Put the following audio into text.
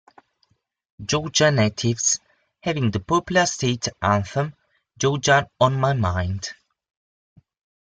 Georgia natives having the popular state anthem Georgia on My Mind.